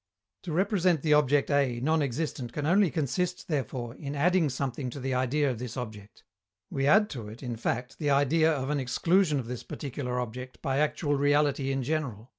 To represent the object A non existent can only consist, therefore, in adding something to the idea of this object: we add to it, in fact, the idea of an exclusion of this particular object by actual reality in general.